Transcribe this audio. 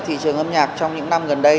thị trường âm nhạc trong những năm gần đây